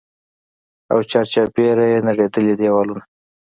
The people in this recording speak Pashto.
او چارچاپېره يې نړېدلي دېوالونه.